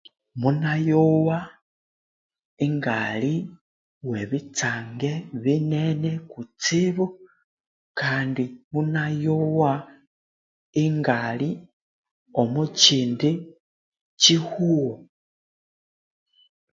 Munayowa ingali webitsange binene kutsibu kandi munayowa ingali omu kyindi kyihughu